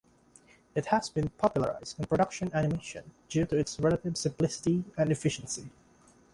It has been popularized in production animation due to its relative simplicity and efficiency.